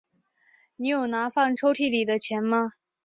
你有拿放在抽屉里的钱吗？